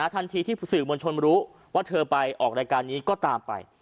ทันทีที่สื่อมวลชนรู้ว่าเธอไปออกรายการนี้ก็ตามไป